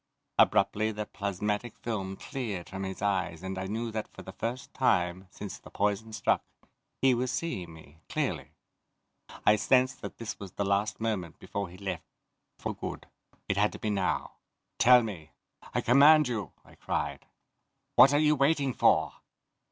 Abruptly the plasmatic film cleared from his eyes and I knew that for the first time, since the poison struck, he was seeing me, clearly. I sensed that this was the last moment before he left for good. It had to be now! "Tell me. I command you," I cried. "What are you waiting for?"